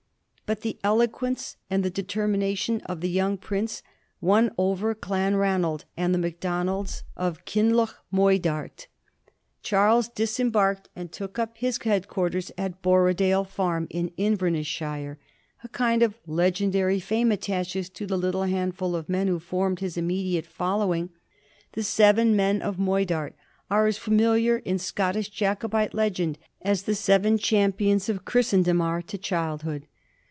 But the eloquence and the deteimination of the youn^ prince won over Clanranald and the Macdonalds of Kin 1745. THE SEVEN MEN OF MDIDART. 805 loch Moidart ; Charles disembarked and took up his head quarters at Borrodaile farm in Inverness shire. A kind of legendary fame attaches to the little handful of men who formed his immediate following. The Seven Men of Moidart are as familiar in Scottish Jacobite legend as the Seven Champions of Christendom are to childhood.